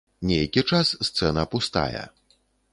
Нейкі час сцэна пустая.